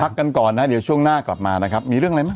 กันก่อนนะเดี๋ยวช่วงหน้ากลับมานะครับมีเรื่องอะไรไหม